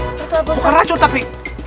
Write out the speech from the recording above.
bukan racun tapi